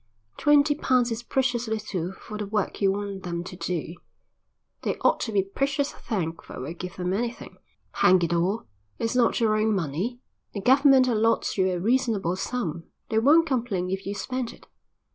"Twenty pounds is precious little for the work you want them to do." "They ought to be precious thankful I give them anything." "Hang it all, it's not your own money. The government allots you a reasonable sum. They won't complain if you spend it."